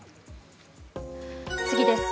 次です。